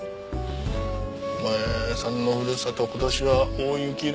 お前さんのふるさと今年は大雪らしいなあ。